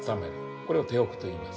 これを手浴といいます。